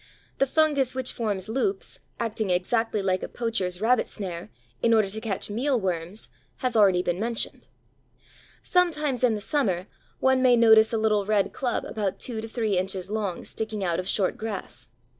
The fungus which forms loops, acting exactly like a poacher's rabbit snare, in order to catch mealworms, has been already mentioned. Sometimes in the summer one may notice a little red club about two to three inches long sticking out of short grass.